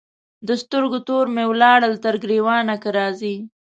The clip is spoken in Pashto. د سترګو تور مي ولاړل تر ګرېوانه که راځې